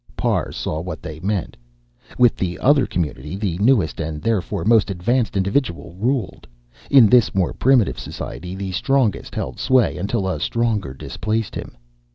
Parr saw what they meant. With the other community, the newest and therefore most advanced individual ruled. In this more primitive society, the strongest held sway until a stronger displaced him.